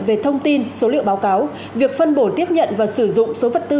về thông tin số liệu báo cáo việc phân bổ tiếp nhận và sử dụng số vật tư